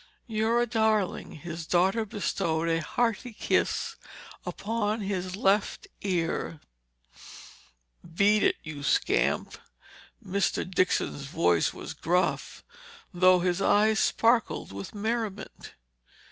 "You're a darling!" His daughter bestowed a hearty kiss upon his left ear. "Beat it—you scamp!" Mr. Dixon's voice was gruff, though his eyes sparkled with merriment.